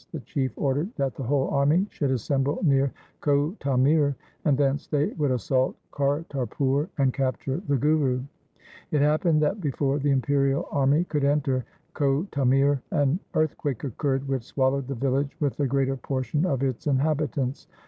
The LIFE OF GURU HAR GOBIND 203 Chief ordered that the whole army should assemble near Chhotamir, and thence they would assault Kartarpur and capture the Guru. It happened that, before the imperial army could enter Chhotamir, an earthquake occurred which swallowed the village with the greater portion of its inhabitants.